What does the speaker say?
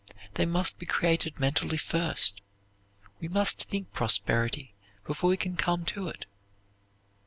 They must be created mentally first. We must think prosperity before we can come to it.